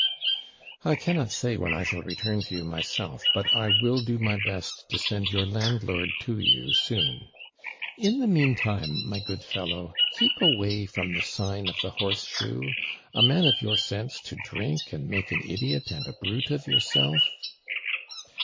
'I cannot say when I shall return to you myself, but I will do my best to send your landlord to you soon. In the meantime, my good fellow, keep away from the sign of the Horse shoe a man of your sense to drink and make an idiot and a brute of yourself!'